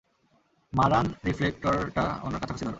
মারান, রিফ্লেকটরটা ওনার কাছাকাছি ধরো।